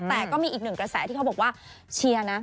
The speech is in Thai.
แต่ก็มีอีกหนึ่งกระแสที่เขาบอกว่าเชียร์นะ